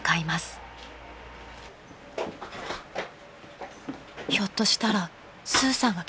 ［ひょっとしたらスーさんが来ているのでは？］